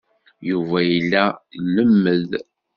Yuba yella ilemmed.